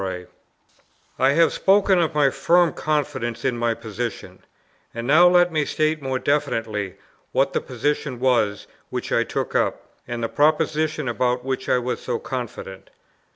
I have spoken of my firm confidence in my position; and now let me state more definitely what the position was which I took up, and the propositions about which I was so confident.